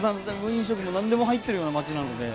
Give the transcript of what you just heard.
飲食もなんでも入ってるような街なので。